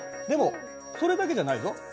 でもそれだけじゃないぞ。